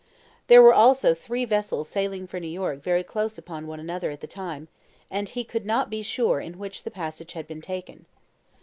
There were also three vessels sailing for New York very close upon one another at the time, and he could not be sure in which the passage had been taken.